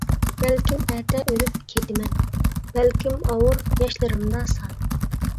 بەلكىم ئەتە ئۆلۈپ كېتىمەن، بەلكىم ئاۋۇر ياشلىرىمدا سان.